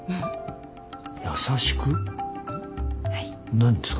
何ですか？